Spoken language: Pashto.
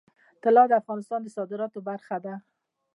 طلا د افغانستان د صادراتو برخه ده.